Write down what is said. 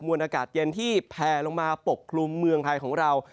วนอากาศเย็นที่แพลลงมาปกคลุมเมืองไทยของเรา